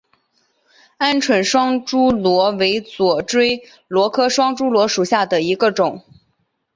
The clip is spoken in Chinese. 鹌鹑双珠螺为左锥螺科双珠螺属下的一个种。